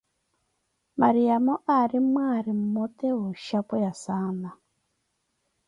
Maryamo aari mwaari mmote, wooshapweya saana